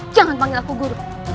jangan panggil aku guru